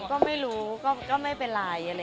ก็ไม่รู้ก็ไม่เป็นไร